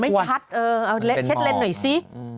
ไม่ชัดเออเช็ดเลนหน่อยซิ